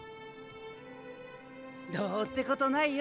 どうってことないよ。